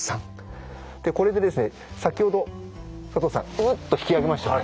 これで先ほど佐藤さんウッと引き上げましたね。